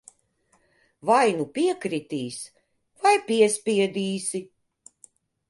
Vai nu piekritīs, vai piespiedīsi.